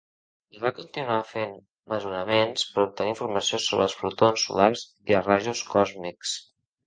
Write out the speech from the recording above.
Es va continuar fent mesuraments per obtenir informació sobre els protons solars i els rajos còsmics.